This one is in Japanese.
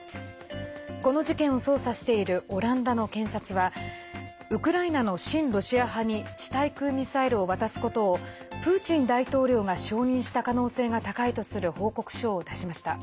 この事件を捜査しているオランダの検察はウクライナの親ロシア派に地対空ミサイルを渡すことをプーチン大統領が承認した可能性が高いとする報告書を出しました。